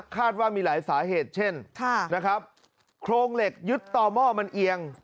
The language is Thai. คาดว่ามีหลายสาเหตุเช่นนะครับโครงเหล็กยึดต่อหม้อมันเอียง